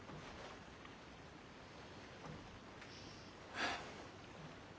はあ。